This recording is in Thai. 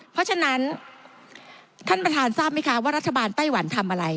เพราะฉะนั้นท่านประธานทราบไหมคะว่ารัฐบาลไต้หวันทำอะไร